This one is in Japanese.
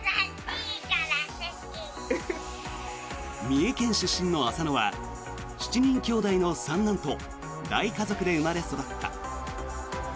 三重県出身の浅野は７人きょうだいの三男と大家族で生まれ育った。